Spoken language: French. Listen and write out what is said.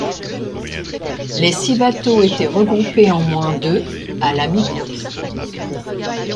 Les six bateaux étaient regroupés en moins de à la mi-course.